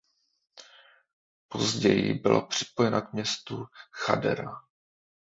Později byla připojena k městu Chadera.